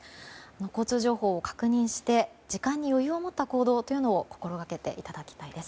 交通情報を確認して時間に余裕を持った行動を心がけていただきたいです。